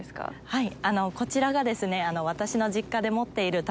はい。